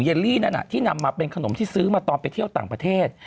ลี่นั่นที่นำมาเป็นขนมที่ซื้อมาตอนไปเที่ยวต่างประเทศ